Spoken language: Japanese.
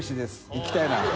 行きたいな。